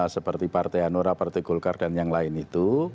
seperti partai hanura partai golkar dan yang lain itu